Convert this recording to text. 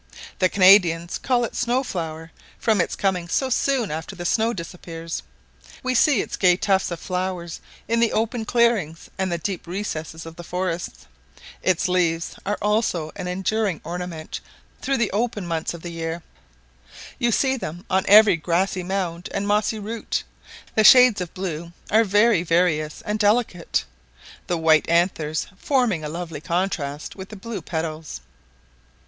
The Canadians can it snow flower, from its coming so soon after the snow disappears. We see its gay tufts of flowers in the open clearings and the deep recesses of the forests; its leaves are also an enduring ornament through the open months of the year; you see them on every grassy mound and mossy root: the shades of blue are very various and delicate, the white anthers forming a lovely contrast with the blue petals.